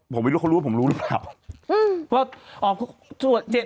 ผมไม่รู้เขารู้ว่าผมรู้หรือเปล่า